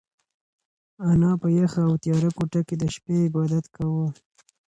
انا په یخه او تیاره کوټه کې د شپې عبادت کاوه.